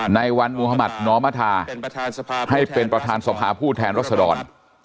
ในวันมุธมัธนอมธาให้เป็นประธานสภาผู้แทนรัศดร